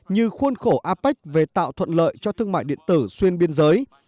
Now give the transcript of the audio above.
như khuôn khổ apec về tạo thuận lợi cho thương mại điện tử xuyên biên giới